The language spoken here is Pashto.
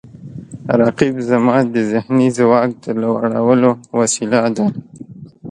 رقیب زما د ذهني ځواک د لوړولو وسیله ده